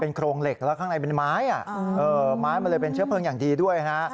โครงเหล็กแล้วข้างในเป็นไม้ไม้มันเลยเป็นเชื้อเพลิงอย่างดีด้วยนะฮะ